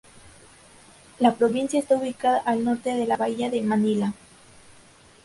La provincia está ubicada al norte de la bahía de Manila.